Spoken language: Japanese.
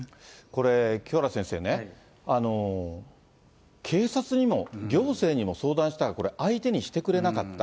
これ、清原先生ね、警察にも行政にも相談したが、これ、相手にしてくれなかった。